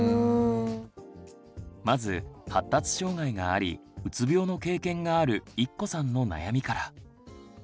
まず発達障害がありうつ病の経験があるいっこさんの悩みから。